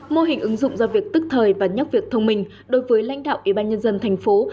mô hình ứng dụng do việc tức thời và nhắc việc thông minh đối với lãnh đạo ủy ban nhân dân thành phố